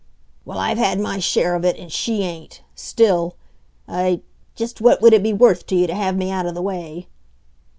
"Well, I've had my share of it. And she ain't. Still I ... Just what would it be worth to you to have me out of the way?"